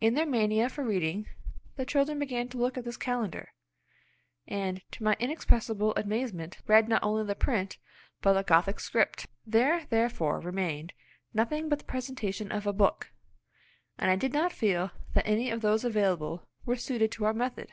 In their mania for reading the children began to look at this calendar, and, to my inexpressible amazement, read not only the print, but the Gothic script. There therefore remained nothing but the presentation of a book, and I did not feel that any of those available were suited to our method.